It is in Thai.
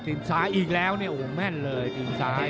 ซ้ายอีกแล้วเนี่ยโอ้โหแม่นเลยตีนซ้าย